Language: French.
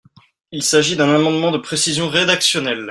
Il s’agit d’un amendement de précision rédactionnelle.